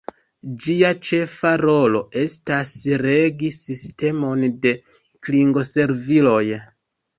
Ĝia ĉefa rolo estas regi sistemon de klingo-serviloj.